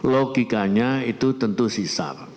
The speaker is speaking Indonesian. logikanya itu tentu sisa